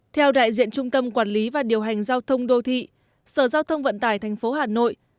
theo đại diện trung tâm quản lý và điều hành giao thông đô thị sở giao thông vận tải tp hà nội